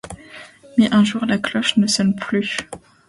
Mais, un jour, la cloche ne sonne plus.